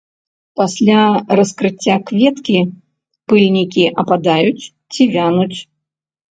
Пасля раскрыцця кветкі пыльнікі ападаюць ці вянуць.